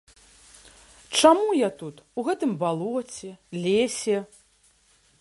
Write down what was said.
Чаму я тут, у гэтым балоце, лесе?